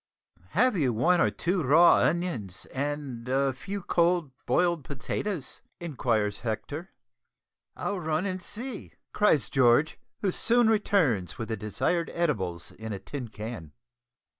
"Have you one or two raw onions and a few cold boiled potatoes?" inquires Hector. "I'll run and see," cries George, who soon returns with the desired edibles in a tin can.